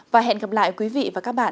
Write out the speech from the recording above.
và hẹn gặp lại quý vị và các bạn